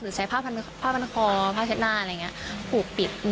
หรือใช้ผ้าพันธุ์คอผ้าเช็ดหน้าอะไรอย่างนี้